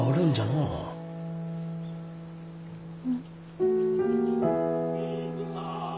うん。